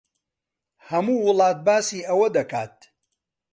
ھەموو وڵات باسی ئەوە دەکات.